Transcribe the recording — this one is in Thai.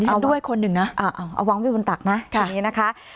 เอาด้วยคนหนึ่งนะเอาวางไปบนตักนะคะ